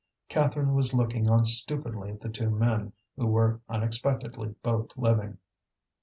Catherine was looking on stupidly at the two men, who were unexpectedly both living.